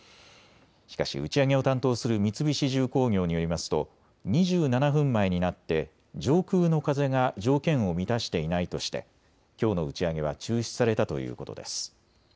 しかし、打ち上げを担当する三菱重工業によりますと２７分前になって上空の風が条件を満たしていないとしてきょうの打ち上げは中止されたということです。